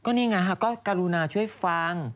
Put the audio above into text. นี่ไงก็กรุณาช่วยฟัง